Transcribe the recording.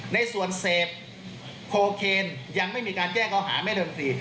ในส่วนเสพโคเคนยังไม่มีการแจ้งเขาหาไม่เดิมที